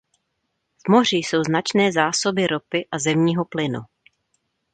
V moři jsou značné zásoby ropy a zemního plynu.